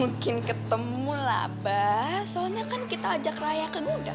mungkin ketemu lah abah soalnya kan kita ajak raya ke gudang